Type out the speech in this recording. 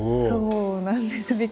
そうなんです。